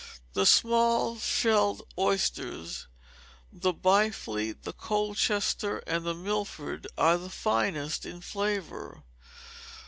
The small shelled oysters, the Byfleet, Colchester, and Milford, are the finest in flavour.